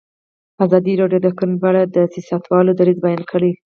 ازادي راډیو د کرهنه په اړه د سیاستوالو دریځ بیان کړی.